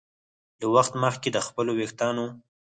له وخت مخکې د خپلو ویښتانو